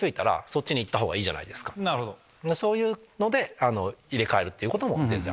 そういうので入れ替えることも全然ある。